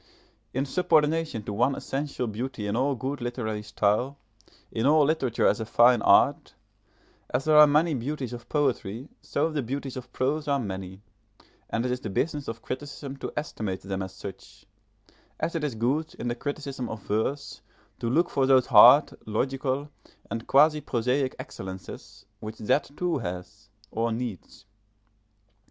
In subordination to one essential beauty in all good literary style, in all literature as a fine art, as there are many beauties of poetry so the beauties of prose are many, and it is the business of criticism to estimate them as such; as it is good in the criticism of verse to look for those hard, logical, and quasi prosaic excellences which that too has, or needs.